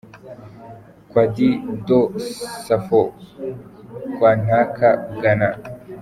Kwad Dwo Safo Kantanka – Ghana.